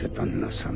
様。